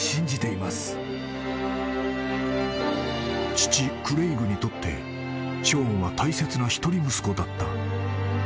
［父クレイグにとってショーンは大切な一人息子だった］